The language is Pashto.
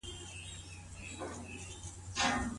کومې ځانګړې توصيې خاوند ته متوجه دي؟